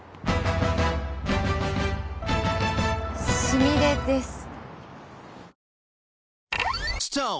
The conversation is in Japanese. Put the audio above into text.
すみれです。